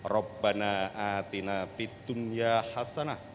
rabbana aatina fi dunya hasanah